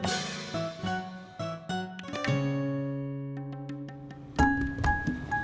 ya makasih ya